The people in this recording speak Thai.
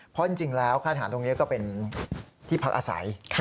เพราะจริงแล้วค่ายฐานตรงนี้ก็เป็นที่พักอาศัย